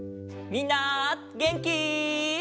みんなげんき？